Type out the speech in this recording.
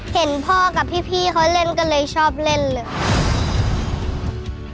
เห็นพ่อกับพี่เขาเล่นก็เลยชอบเล่นเลยค่ะ